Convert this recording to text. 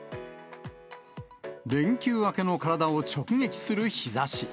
連休明けの体を直撃する日ざし。